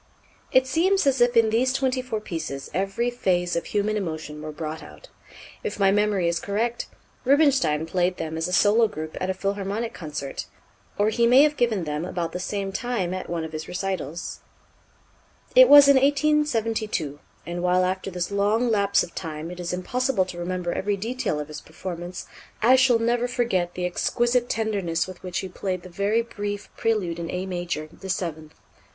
It seems as if in these twenty four pieces every phase of human emotion were brought out. If my memory is correct, Rubinstein played them as a solo group at a Philharmonic concert, or he may have given them about the same time at one of his recitals. It was in 1872; and while after this long lapse of time it is impossible to remember every detail of his performance, I shall never forget the exquisite tenderness with which he played the very brief Prélude in A major, the seventh.